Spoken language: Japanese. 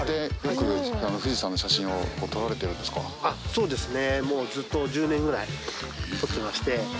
そうですね。